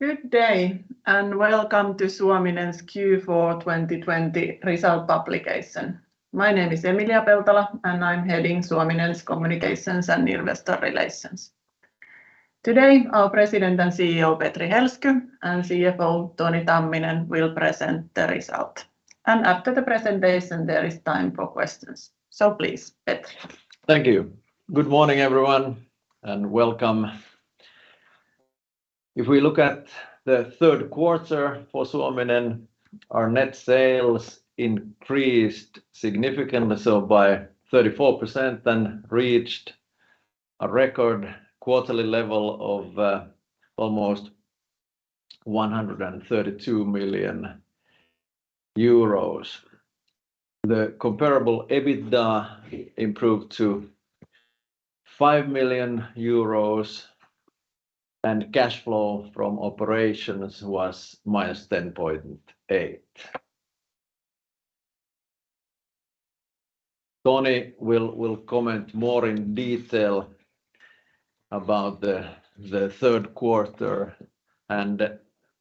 Good day, and welcome to Suominen's Q3 2022 result publication. My name is Emilia Peltola, and I'm heading Suominen's Communications and Investor Relations. Today, our President and CEO, Petri Helsky, and CFO, Toni Tamminen, will present the result. After the presentation, there is time for questions. Please, Petri. Thank you. Good morning, everyone, and welcome. If we look at the third quarter for Suominen, our net sales increased significantly, so by 34% and reached a record quarterly level of almost EUR 132 million. The comparable EBITDA improved to 5 million euros and cash flow from operations was -10.8 million. Toni will comment more in detail about the third quarter and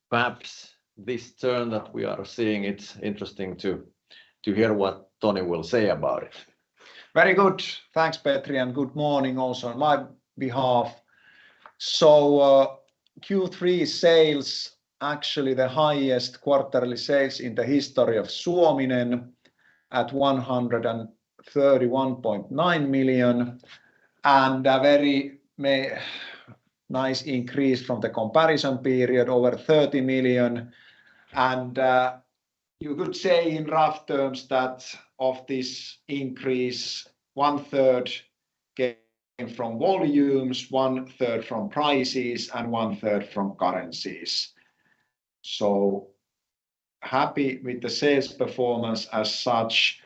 perhaps this turn that we are seeing. It's interesting to hear what Toni will say about it. Very good. Thanks, Petri, and good morning also on my behalf. Q3 sales actually the highest quarterly sales in the history of Suominen at 131.9 million, and a very nice increase from the comparison period, over 30 million. You could say in rough terms that of this increase, one third came from volumes, one third from prices, and one third from currencies. Happy with the sales performance as such.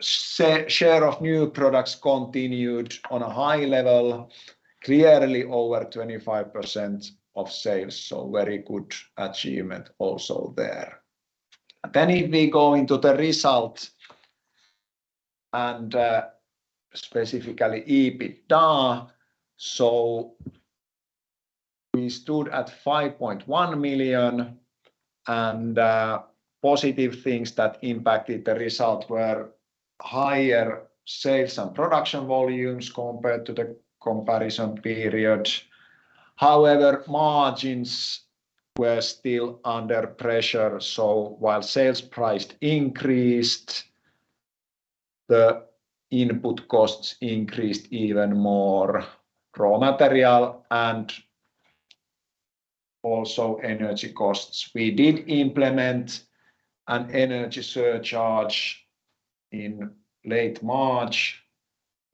Share of new products continued on a high level, clearly over 25% of sales, so very good achievement also there. If we go into the result and, specifically EBITDA, we stood at 5.1 million and, positive things that impacted the result were higher sales and production volumes compared to the comparison period. However, margins were still under pressure, so while sales price increased, the input costs increased even more. Raw material and also energy costs. We did implement an energy surcharge in late March,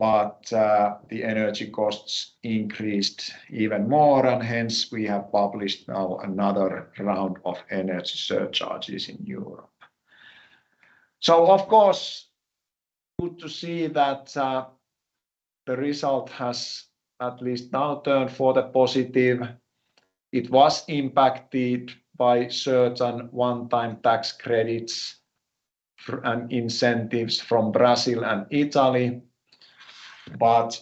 but the energy costs increased even more and hence we have published now another round of energy surcharges in Europe. Of course, good to see that the result has at least now turned for the positive. It was impacted by certain one-time tax credits and incentives from Brazil and Italy.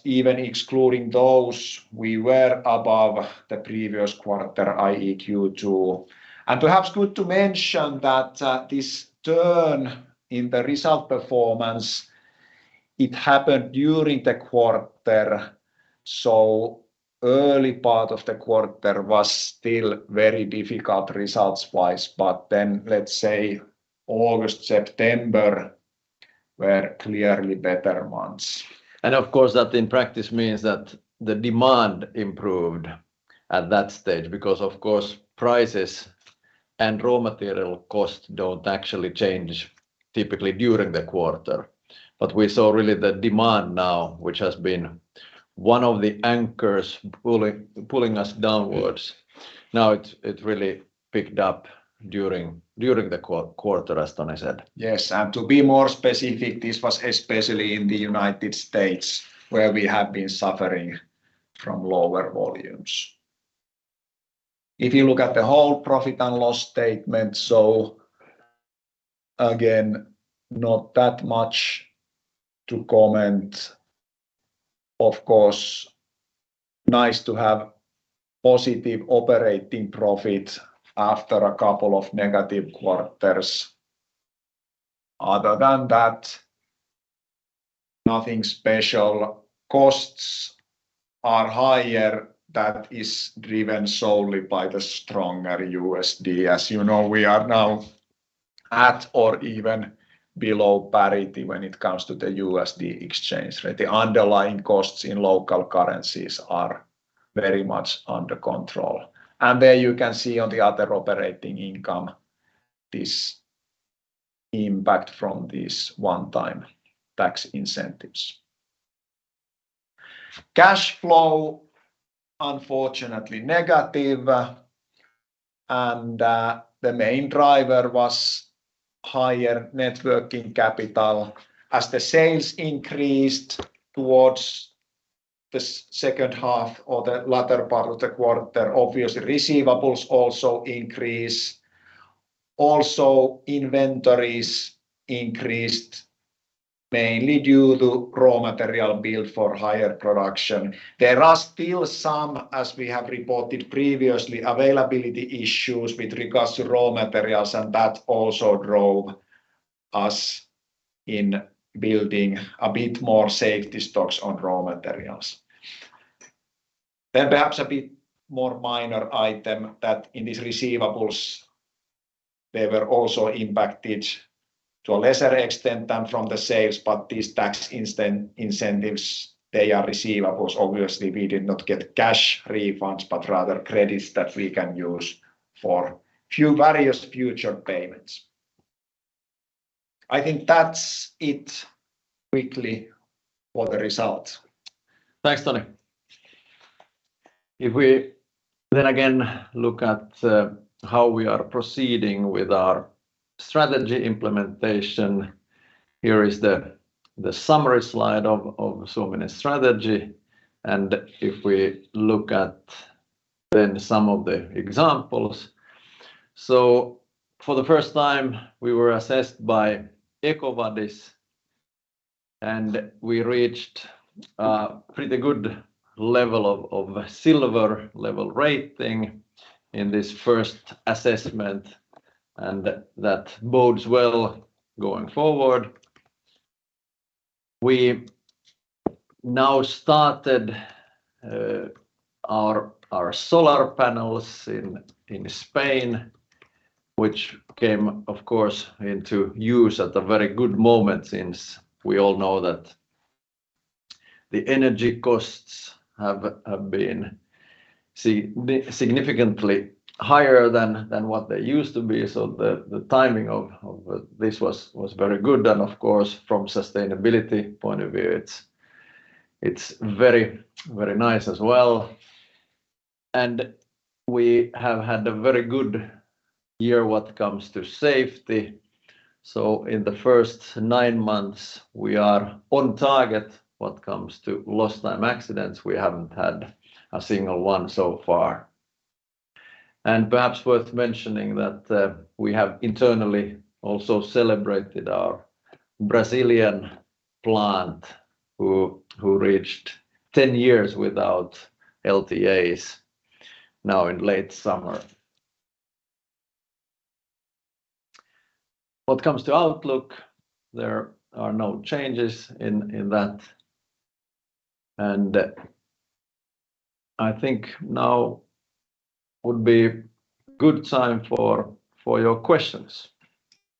Even excluding those, we were above the previous quarter, i.e., Q2. Perhaps good to mention that this turn in the result performance, it happened during the quarter. Early part of the quarter was still very difficult results-wise. Let's say August, September were clearly better months. Of course that in practice means that the demand improved at that stage because of course prices and raw material costs don't actually change typically during the quarter. We saw really the demand now, which has been one of the anchors pulling us downwards. Now it's, it really picked up during the quarter, as Toni said. Yes. To be more specific, this was especially in the United States where we have been suffering from lower volumes. If you look at the whole profit and loss statement, so again, not that much to comment. Of course, nice to have positive operating profit after a couple of negative quarters. Other than that, nothing special. Costs are higher. That is driven solely by the stronger USD. As you know, we are now at or even below parity when it comes to the USD exchange rate. The underlying costs in local currencies are very much under control. There you can see on the other operating income this impact from these one-time tax incentives. Cash flow unfortunately negative, and the main driver was higher net working capital. As the sales increased towards the second half or the latter part of the quarter, obviously receivables also increase. Inventories increased mainly due to raw material build for higher production. There are still some, as we have reported previously, availability issues with regards to raw materials, and that also drove us in building a bit more safety stocks on raw materials. Perhaps a bit more minor item that in these receivables, they were also impacted to a lesser extent than from the sales, but these tax incentives, they are receivables. Obviously, we did not get cash refunds, but rather credits that we can use for few various future payments. I think that's it quickly for the results. Thanks, Toni. If we then again look at how we are proceeding with our strategy implementation, here is the summary slide of Suominen's strategy. If we look at then some of the examples. For the first time, we were assessed by EcoVadis, and we reached a pretty good level of silver level rating in this first assessment, and that bodes well going forward. We now started our solar panels in Spain, which came, of course, into use at a very good moment since we all know that the energy costs have been significantly higher than what they used to be. The timing of this was very good. Of course, from sustainability point of view, it's very nice as well. We have had a very good year what comes to safety. In the first nine months, we are on target what comes to lost time accidents. We haven't had a single one so far. Perhaps worth mentioning that we have internally also celebrated our Brazilian plant who reached 10 years without LTAs now in late summer. What comes to outlook, there are no changes in that. I think now would be good time for your questions.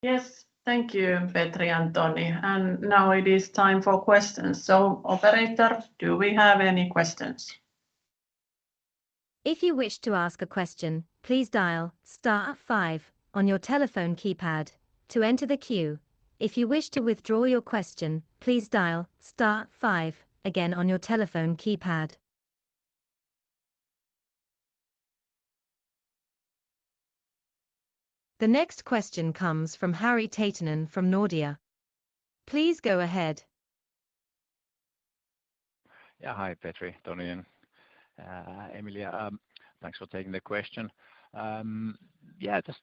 Yes. Thank you, Petri and Toni. Now it is time for questions. Operator, do we have any questions? If you wish to ask a question, please dial star five on your telephone keypad to enter the queue. If you wish to withdraw your question, please dial star five again on your telephone keypad. The next question comes from Harri Taittonen from Nordea. Please go ahead. Yeah. Hi, Petri, Toni, and Emily. Thanks for taking the question. Yeah, just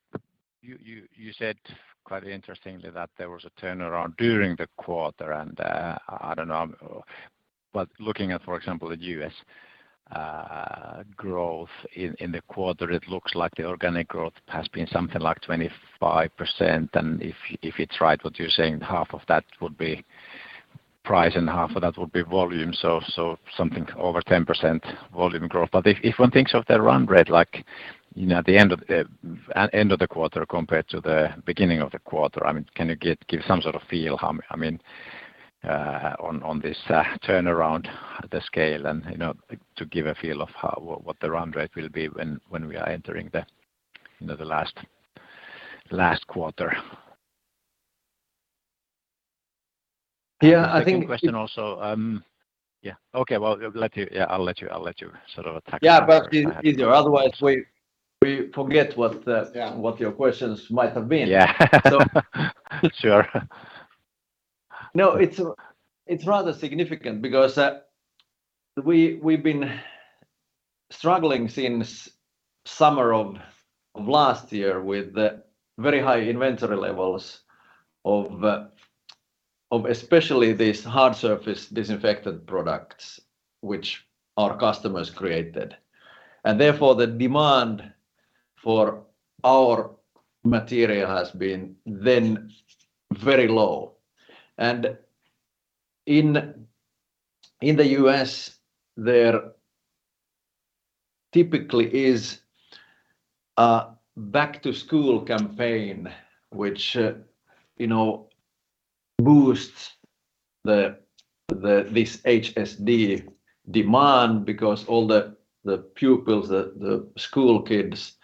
you said quite interestingly that there was a turnaround during the quarter, and I don't know. Looking at, for example, the U.S. growth in the quarter, it looks like the organic growth has been something like 25%. If it's right what you're saying, half of that would be price and half of that would be volume, so something over 10% volume growth. If one thinks of the run rate, like, you know, at the end of the quarter compared to the beginning of the quarter, I mean, can you give some sort of feel how I mean on this turnaround, the scale and, you know, to give a feel of how. What the run rate will be when we are entering the, you know, the last quarter. Yeah, I think. Second question also. Yeah. Okay. Well, I'll let you sort of attack. Otherwise, we forget what. Yeah What your questions might have been. Yeah. So. Sure. No, it's rather significant because we've been struggling since summer of last year with the very high inventory levels of especially these hard surface disinfection products which our customers created. Therefore, the demand for our material has been then very low. In the US, there typically is a back-to-school campaign which you know boosts this HSD demand because all the pupils the school kids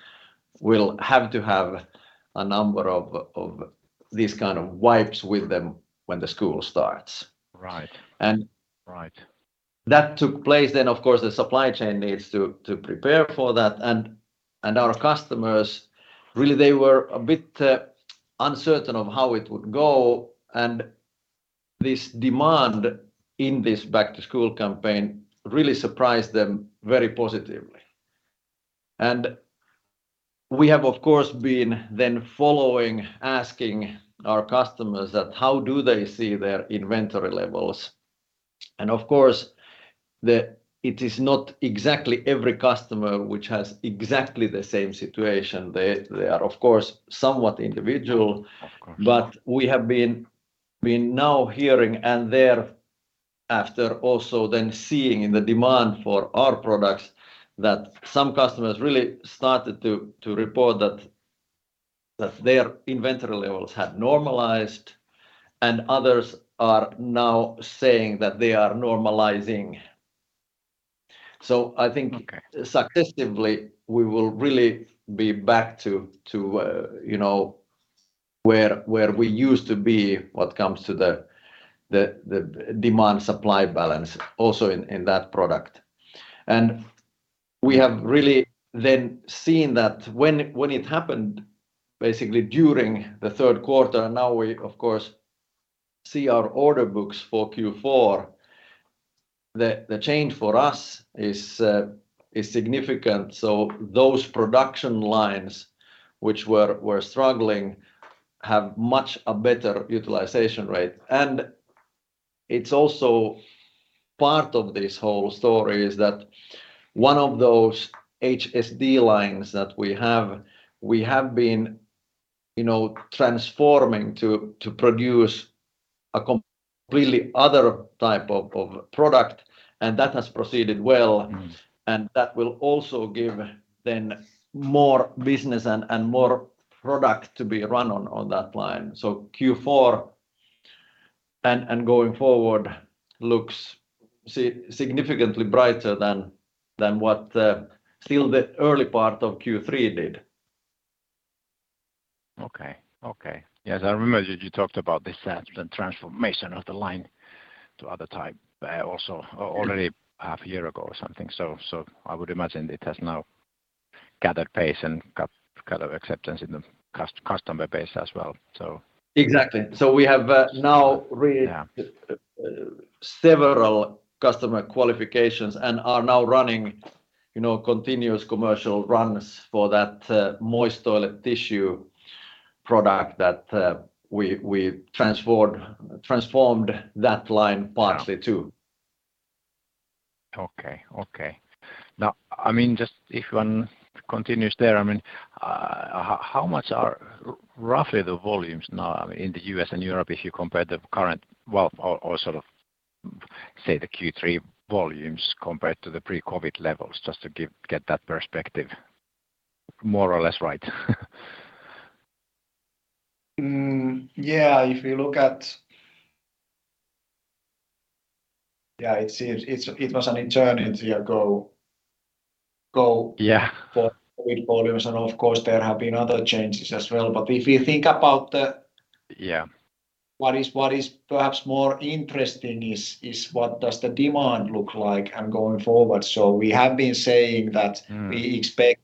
will have to have a number of these kind of wipes with them when the school starts. Right. And- Right... that took place then, of course, the supply chain needs to prepare for that, and our customers, really, they were a bit uncertain of how it would go. This demand in this back-to-school campaign really surprised them very positively. We have, of course, been then following, asking our customers that how do they see their inventory levels? Of course, it is not exactly every customer which has exactly the same situation. They are, of course, somewhat individual. Of course. We have been now hearing and thereafter also then seeing the demand for our products that some customers really started to report that their inventory levels have normalized and others are now saying that they are normalizing. So I think- Okay Successively we will really be back to you know where we used to be what comes to the demand supply balance also in that product. We have really then seen that when it happened basically during the third quarter. Now we of course see our order books for Q4. The change for us is significant. Those production lines which were struggling have a much better utilization rate. It's also part of this whole story is that one of those HSD lines that we have we have been transforming to produce a completely other type of product, and that has proceeded well. Mm. That will also give them more business and more product to be run on that line. Q4 and going forward looks significantly brighter than what still the early part of Q3 did. Yes, I remember you talked about this, the transformation of the line to other type, also already half year ago or something. I would imagine it has now gathered pace and got acceptance in the customer base as well. Exactly. We have now Yeah Several customer qualifications and are now running, you know, continuous commercial runs for that moist toilet tissue product that we transformed that line partly to. Okay. Now, I mean, just if one continues there, I mean, how much are roughly the volumes now in the U.S. and Europe if you compare the current, well, or sort of say the Q3 volumes compared to the pre-COVID levels, just to get that perspective more or less right? Yeah. If you look at yeah, it seems it was an eternity ago. Yeah for COVID volumes and of course, there have been other changes as well. If you think about Yeah What is perhaps more interesting is what does the demand look like and going forward. We have been saying that. Mm We expect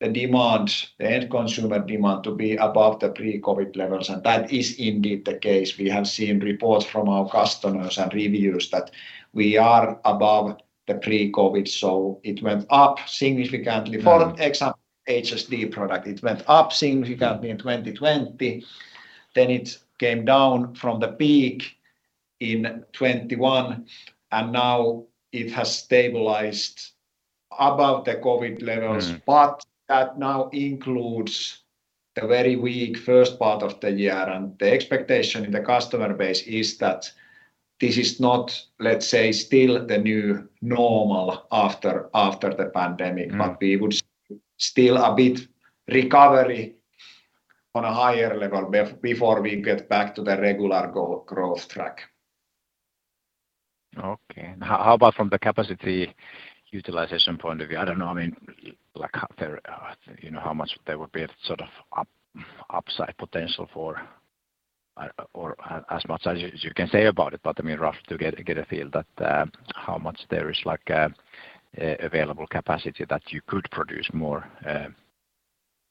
the demand, the end consumer demand to be above the pre-COVID levels, and that is indeed the case. We have seen reports from our customers and reviews that we are above the pre-COVID. It went up significantly. Yeah For example HSD product. It went up significantly in 2020, then it came down from the peak in 2021 and now it has stabilized above the COVID levels. Mm. That now includes the very weak first part of the year and the expectation in the customer base is that this is not, let's say, still the new normal after the pandemic. Mm. We would still a bit recovery on a higher level before we get back to the regular growth track. Okay. How about from the capacity utilization point of view? I don't know, I mean, like how there, you know, how much there would be sort of upside potential for or as much as you can say about it, but I mean rough to get a feel that, how much there is like, available capacity that you could produce more,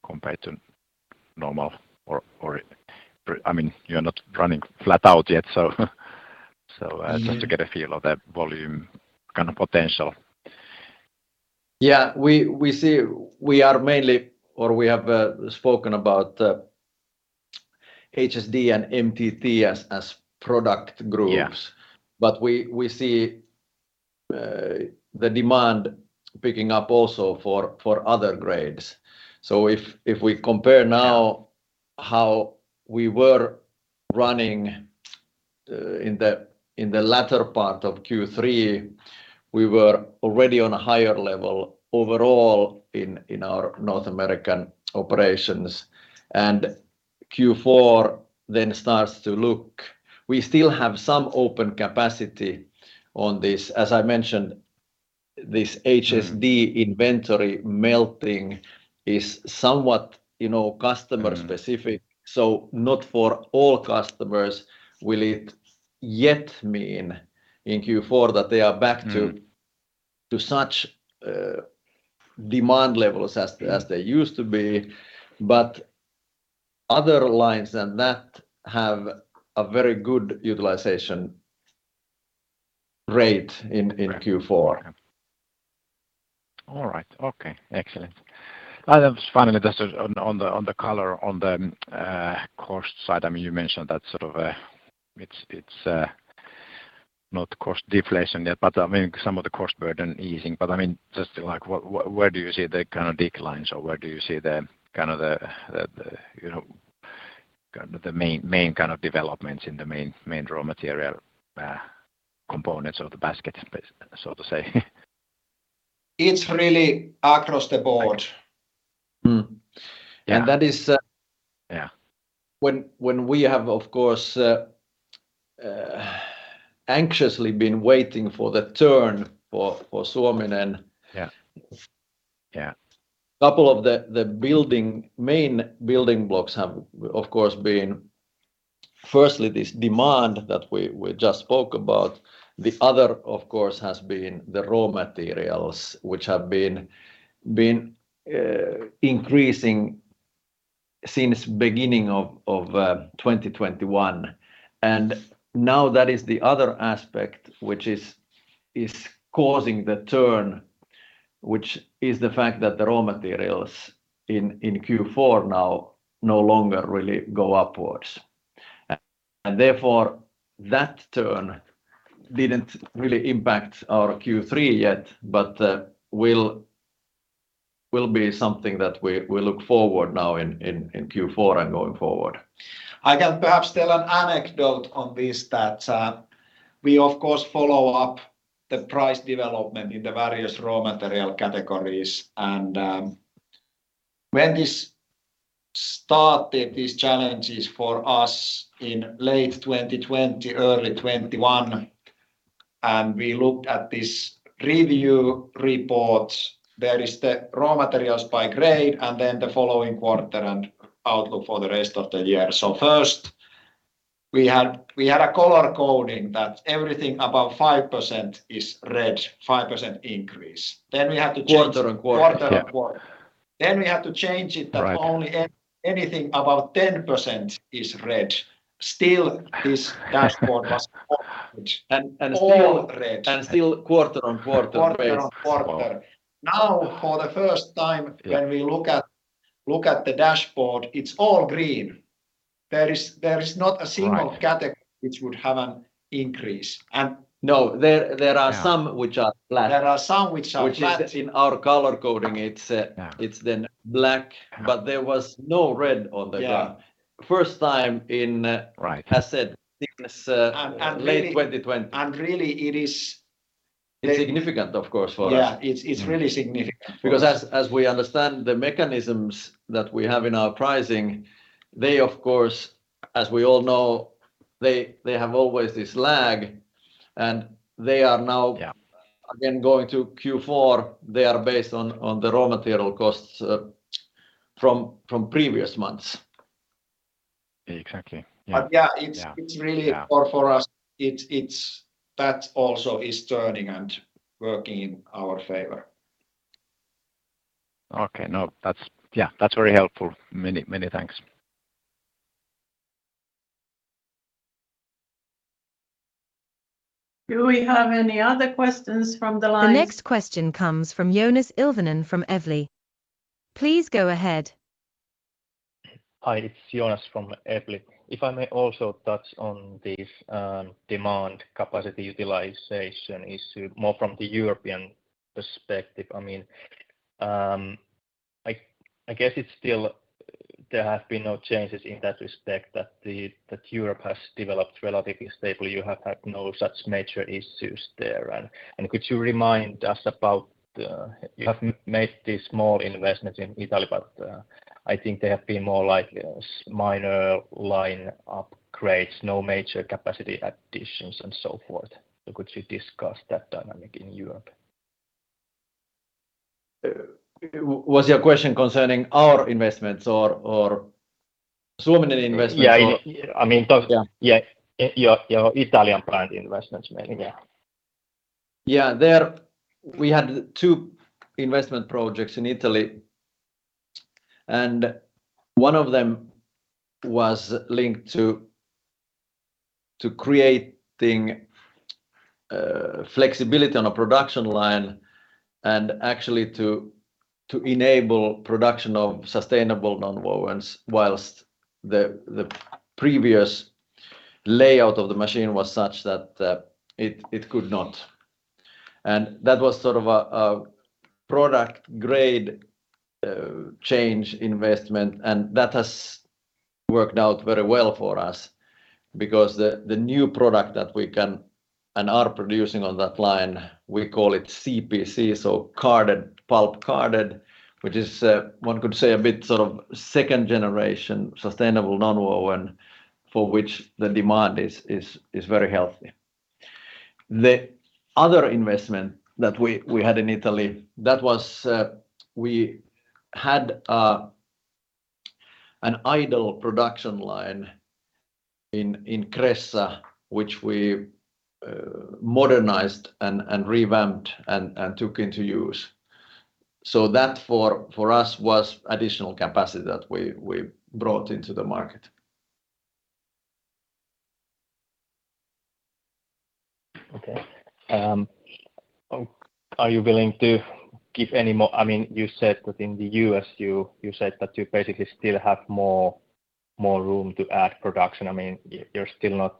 compared to normal or I mean, you're not running flat out yet, so. Mm just to get a feel of the volume kind of potential. Yeah. We see. We are mainly or we have spoken about HSD and MTT as product groups. Yeah. We see the demand picking up also for other grades. If we compare now Yeah how we were running in the latter part of Q3, we were already on a higher level overall in our North American operations. Q4 then starts to look. We still have some open capacity on this. As I mentioned, this HSD inventory melting is somewhat, you know, customer-specific. Mm. Not for all customers will it yet mean in Q4 that they are back to such demand levels as they used to be. Other lines than that have a very good utilization rate in Q4. All right. Okay. Excellent. Finally just on the color on the cost side. I mean, you mentioned that sort of, it's not cost deflation yet, but I mean some of the cost burden easing. I mean, just like where do you see the kind of declines or where do you see the kind of the you know kind of the main kind of developments in the main raw material components of the basket, so to say? It's really across the board. Yeah. That is. Yeah When we have, of course, anxiously been waiting for the turn for Suominen. Yeah. Yeah. couple of the main building blocks have of course been firstly this demand that we just spoke about. The other, of course, has been the raw materials, which have been increasing since beginning of 2021. Now that is the other aspect which is causing the turn, which is the fact that the raw materials in Q4 now no longer really go upwards. Therefore, that turn didn't really impact our Q3 yet, but will be something that we look forward now in Q4 and going forward. I can perhaps tell an anecdote on this that we of course follow up the price development in the various raw material categories. when this started these challenges for us in late 2020, early 2021, and we looked at this review reports, there is the raw materials by grade and then the following quarter and outlook for the rest of the year. First we had a color coding that everything above 5% is red, 5% increase. Then we had to change- Quarter-over-quarter. Quarter-over-quarter. Yeah. We had to change it. Right that only anything above 10% is red. Still this dashboard was orange. And, and still- All red. Still quarter-on-quarter basis as well. Quarter-on-quarter. Now for the first time. Yeah When we look at the dashboard, it's all green. There is not a single- Right category which would have an increase. No, there are some- Yeah which are black. There are some which are black which is in our color coding, it's... Yeah It's then black. Yeah. There was no red on the ground. Yeah. First time in. Right has said since late 2020. Really, it is... It's significant of course for us. Yeah. It's really significant for us. Because as we understand the mechanisms that we have in our pricing, they of course, as we all know, they have always this lag. They are now- Yeah Again, going to Q4, they are based on the raw material costs from previous months. Exactly. Yeah. But yeah- Yeah It's really Yeah For us, it's that also is turning and working in our favor. Okay. No, that's yeah. That's very helpful. Many, many thanks. Do we have any other questions from the lines? The next question comes from Joonas Ilvonen from Evli. Please go ahead. Hi, it's Joonas from Evli. If I may also touch on this, demand capacity utilization issue more from the European perspective. I mean, I guess it's still, there have been no changes in that respect that Europe has developed relatively stable. You have had no such major issues there. Could you remind us about, you have made these small investments in Italy, but I think they have been more like minor line upgrades, no major capacity additions and so forth. Could you discuss that dynamic in Europe? Was your question concerning our investments or Suominen investments? Yeah. I mean, Yeah. Yeah. Your Italian plant investments mainly. Yeah. Yeah. There we had two investment projects in Italy, and one of them was linked to creating flexibility on a production line and actually to enable production of sustainable nonwovens while the previous layout of the machine was such that it could not. That was sort of a product grade change investment, and that has worked out very well for us because the new product that we can and are producing on that line, we call it CPC, so carded, pulp carded, which is one could say a bit sort of second generation sustainable nonwoven for which the demand is very healthy. The other investment that we had in Italy, that was we had an idle production line in Cressa which we modernized and revamped and took into use. That for us was additional capacity that we brought into the market. Okay. Are you willing to give any more? I mean, you said that in the US you basically still have more room to add production. I mean, you're still not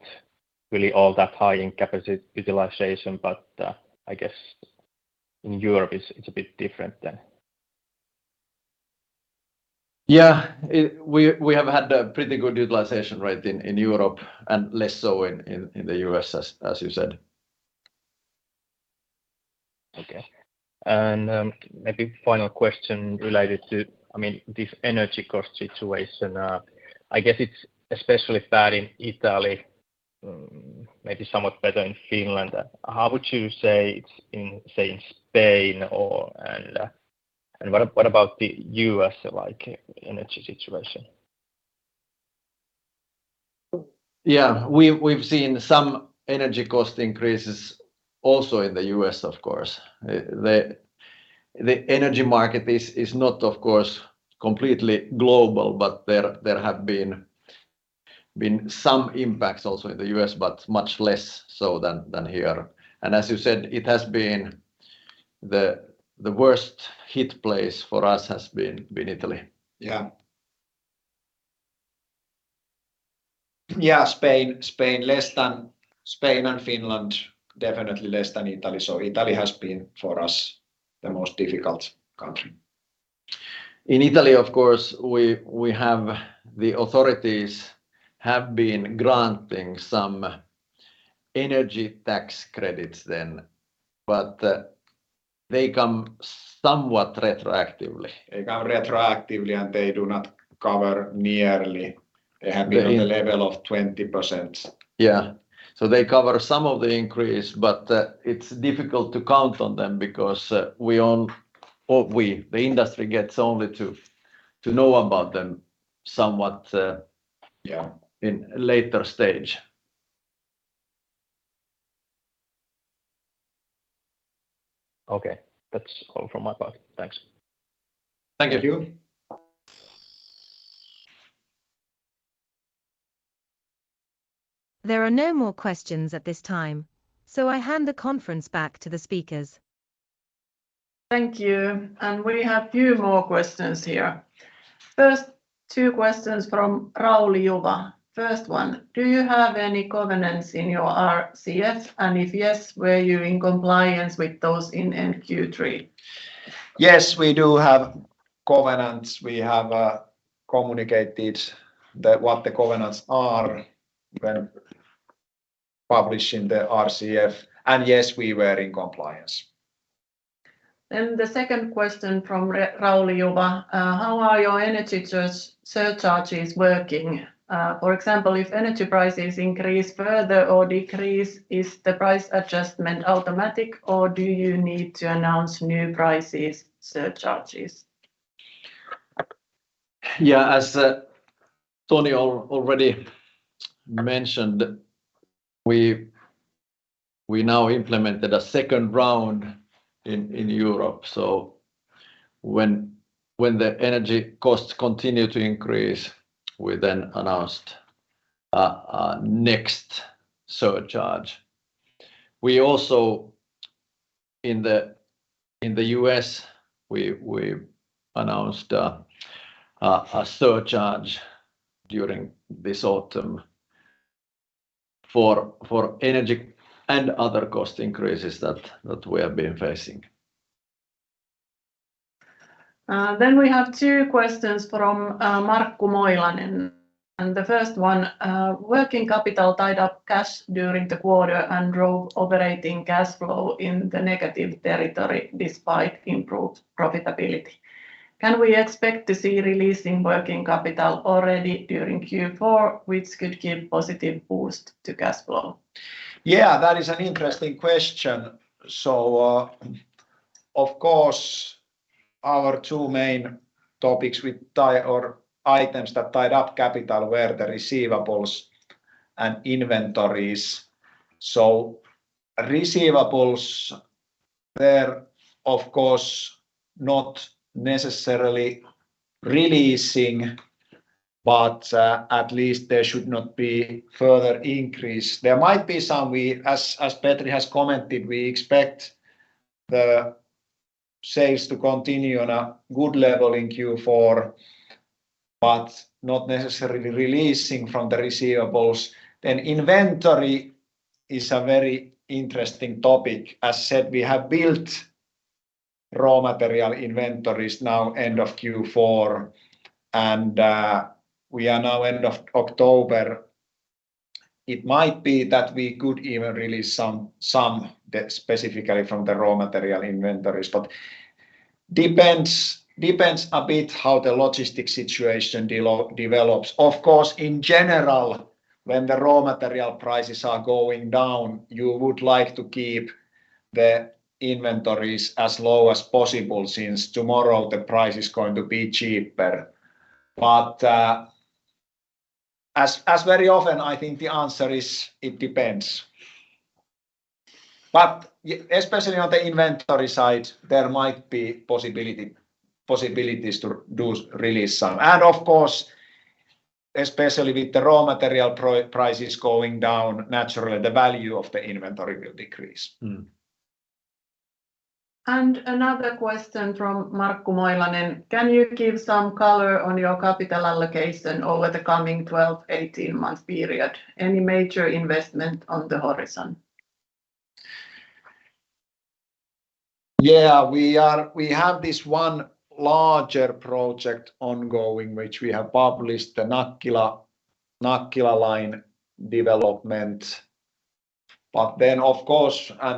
really all that high in capacity utilization, but I guess in Europe it's a bit different than. Yeah. We have had a pretty good utilization rate in Europe, and less so in the US as you said. Okay. Maybe final question related to, I mean, this energy cost situation. I guess it's especially bad in Italy. Maybe somewhat better in Finland. How would you say it's in, say, in Spain, and what about the US, like, energy situation? Yeah. We've seen some energy cost increases also in the U.S. of course. The energy market is not, of course, completely global, but there have been some impacts also in the U.S. but much less so than here. As you said, it has been the worst hit place for us has been Italy. Yeah. Spain and Finland definitely less than Italy. Italy has been, for us, the most difficult country. In Italy of course we have. The authorities have been granting some energy tax credits then, but they come somewhat retroactively. They come retroactively, and they do not cover nearly. They have been on the level of 20%. Yeah. They cover some of the increase, but it's difficult to count on them because the industry gets only to know about them somewhat. Yeah in later stage. Okay. That's all from my part. Thanks. Thank you. Thank you. There are no more questions at this time, so I hand the conference back to the speakers. Thank you. We have few more questions here. First, two questions from Rauli Juva. First one: Do you have any covenants in your RCF? And if yes, were you in compliance with those in Q3? Yes, we do have covenants. We have communicated what the covenants are when publishing the RCF. Yes, we were in compliance. The second question from Rauli Juva. How are your energy surcharges working? For example, if energy prices increase further or decrease, is the price adjustment automatic or do you need to announce new prices, surcharges? Yeah. As Toni already mentioned, we've now implemented a second round in Europe. When the energy costs continue to increase, we then announced a next surcharge. We also, in the US, we announced a surcharge during this autumn for energy and other cost increases that we have been facing. We have two questions from Markku Moilanen. The first one: Working capital tied up cash during the quarter and drove operating cash flow in the negative territory despite improved profitability. Can we expect to see release in working capital already during Q4 which could give positive boost to cash flow? Yeah, that is an interesting question. Of course our two main items that tied up capital were the receivables and inventories. Receivables, they're of course not necessarily releasing, but at least there should not be further increase. There might be some. As Petri has commented, we expect the sales to continue on a good level in Q4, but not necessarily releasing from the receivables. Inventory is a very interesting topic. As said, we have built raw material inventories now end of Q3 and we are now end of October. It might be that we could even release some, specifically from the raw material inventories. But it depends a bit how the logistics situation develops. Of course, in general, when the raw material prices are going down, you would like to keep the inventory is as low as possible since tomorrow the price is going to be cheaper. As very often, I think the answer is it depends. Especially on the inventory side, there might be possibilities to do release some. Of course, especially with the raw material prices going down, naturally the value of the inventory will decrease. Another question from Markku Moilanen: Can you give some color on your capital allocation over the coming 12 to 18 month period? Any major investment on the horizon? We have this one larger project ongoing which we have published, the Nakkila Line development.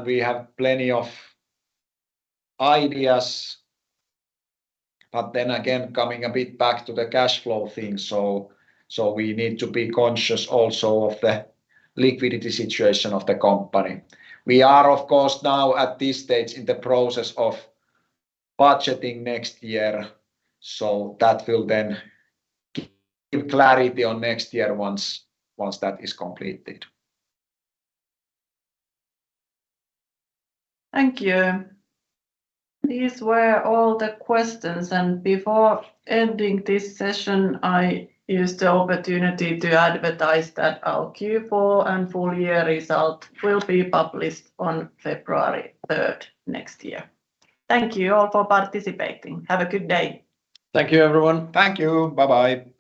We have plenty of ideas. Coming a bit back to the cash flow thing, so we need to be conscious also of the liquidity situation of the company. We are of course now at this stage in the process of budgeting next year, so that will then give clarity on next year once that is completed. Thank you. These were all the questions. Before ending this session, I use the opportunity to advertise that our Q4 and full year result will be published on February 3rd next year. Thank you all for participating. Have a good day. Thank you everyone. Thank you. Bye bye.